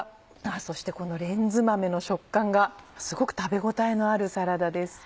そしてこのレンズ豆の食感がすごく食べ応えのあるサラダです。